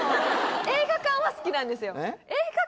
映画館は好きなんです